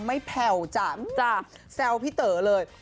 แผ่วจ้ะแซวพี่เต๋อเลย